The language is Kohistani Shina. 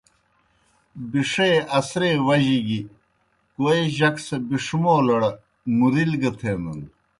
بِݜے اثرے وجہ گیْ کوئے جک سہ بِݜمَولَڑ مُرِل گہ تھینَن۔